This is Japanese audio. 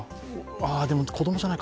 でも、子供じゃないか。